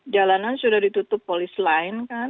jalanan sudah ditutup polis lain kan